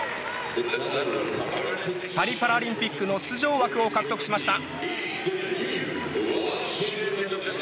パリパラリンピックの出場枠を獲得しました。